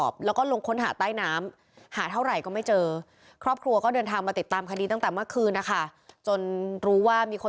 บอกเมื่อคืนไม่มีคนง้ม